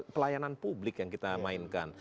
pelayanan publik yang kita mainkan